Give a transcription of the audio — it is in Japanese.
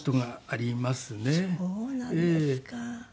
そうなんですか。